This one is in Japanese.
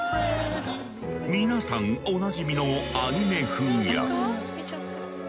皆さんおなじみのアニメ風や。